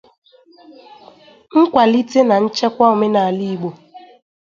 nkwalite na nchekwa omenala Igbo